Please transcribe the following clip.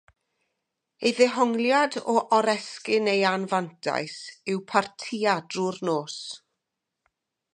Ei ddehongliad o oresgyn ei anfantais yw partïa drwy'r nos.